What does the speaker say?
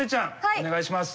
お願いします。